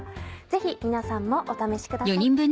ぜひ皆さんもお試しください。